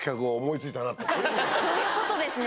そういうことですね